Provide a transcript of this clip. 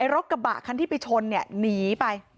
รถกระบะที่ไปชนหนีไป